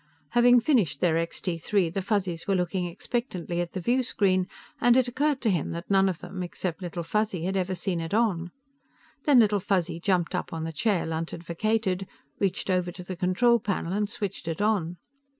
Having finished their Extee Three, the Fuzzies were looking expectantly at the viewscreen, and it occurred to him that none of them except Little Fuzzy had ever seen it on. Then Little Fuzzy jumped up on the chair Lunt had vacated, reached over to the control panel and switched it on.